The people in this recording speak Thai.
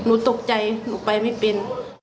หนูตกใจหนูไปไม่เป็น